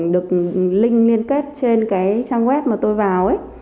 được link liên kết trên cái trang web mà tôi vào ấy